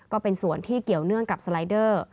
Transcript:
ก็เป็นส่วนที่เกี่ยวเนื่องกับสไลเดอร์